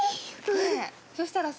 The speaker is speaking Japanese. ねぇそしたらさ。